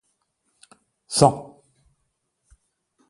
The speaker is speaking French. cent